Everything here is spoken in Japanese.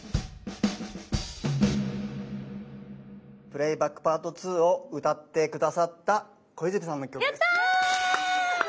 「プレイバックｐａｒｔ２」を歌って下さった小泉さんの曲です。